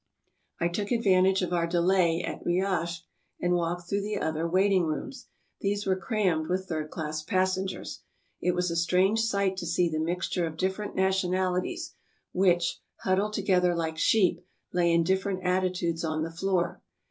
I took advantage of our delay at Riajsk, and walked . through the other waiting rooms. These were crammed with third class passengers. It was a strange sight to see the mixture of different nationalities, which, huddled to gether like sheep, lay in different attitudes on the floor.